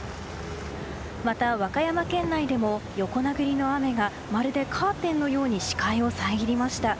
また、和歌山県内でも横殴りの雨がまるでカーテンのように視界を遮りました。